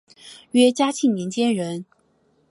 约嘉庆年间人。